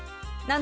何？